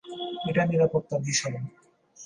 এটা নিরাপত্তার বিষয়।